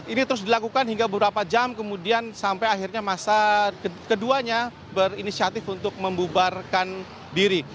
ini terus dilakukan hingga beberapa jam kemudian sampai akhirnya masa keduanya berinisiatif untuk membubarkan diri